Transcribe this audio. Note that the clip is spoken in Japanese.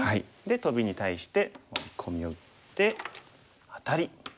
トビに対してワリコミを打ってアタリ。